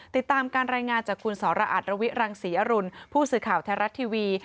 ติดตามแรงงานจากครุ่นสอัตรีระวิรังศ์ศรีอรุณผู้สื่อข่าวไทยรัฐทีวี